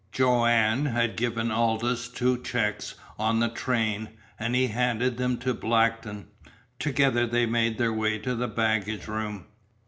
Joanne had given Aldous two checks on the train, and he handed them to Blackton. Together they made their way to the baggage room.